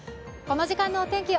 この時間のお天気